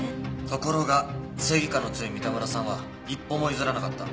ところが正義感の強い三田村さんは一歩も譲らなかった。